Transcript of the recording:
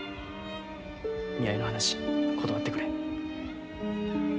見合いの話断ってくれ。